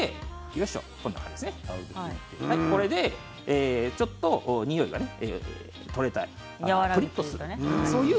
これでちょっとにおいが取れてぷりっとする。